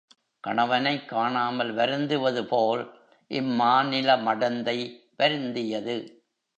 கணவனைக் காணாமல் வருந்துவது போல் இம்மாநில மடந்தை வருந்தியது.